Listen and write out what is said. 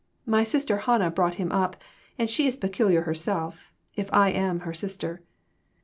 My sister Hannah brought him up, and she is peculiar herself, if I am her sister.